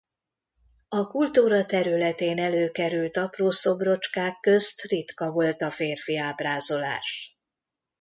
A kultúra területén előkerült apró szobrocskák közt ritka volt a férfi ábrázolás.